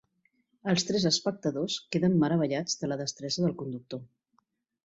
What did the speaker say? Els tres espectadors queden meravellats de la destresa del conductor.